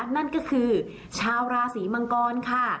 นั่นก็คือชาวราศีมังกรค่ะ